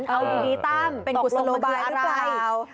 เอาอย่างนี้ตั้มเป็นกุศโลไบล์ขึ้นไป